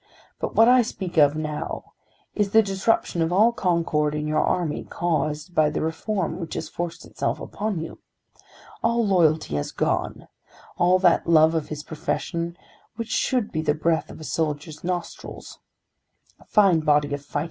But what I speak of now is the disruption of all concord in your army caused by the reform which has forced itself upon you. All loyalty has gone; all that love of his profession which should be the breath of a soldier's nostrils.